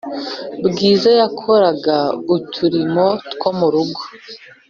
Bwiza yakoraga uturimo two mu rugo